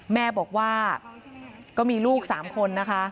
แม่บอกว่าก็มีลูก๓คนนะคะ